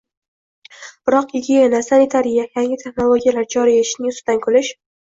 Biroq gigiyena, sanitariya, yangi texnologiyalar joriy etishning ustidan kulish